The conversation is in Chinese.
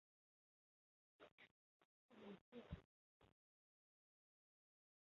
曾至美国哥伦比亚大学取得法学硕士学位。